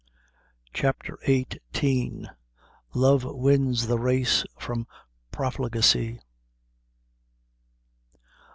CHAPTER XVIII. Love Wins the Race from Profligacy.